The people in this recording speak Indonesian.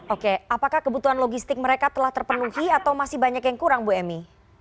oke apakah kebutuhan logistik mereka telah terpenuhi atau masih banyak yang kurang bu emy